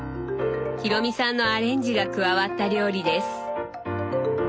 裕美さんのアレンジが加わった料理です。